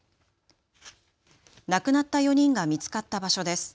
亡くなった４人が見つかった場所です。